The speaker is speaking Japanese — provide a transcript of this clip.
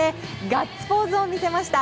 ガッツポーズを見せました